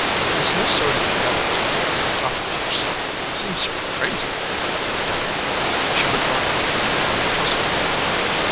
"It s no sort of a habit you ve got, talking to yourself; seems sort of crazy/ said Deborah. She regarded him in a puzzled way.